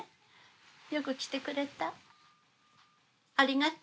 よく来てくれたありがと。